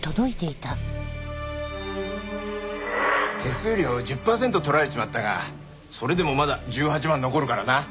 手数料１０パーセント取られちまったがそれでもまだ１８万残るからな。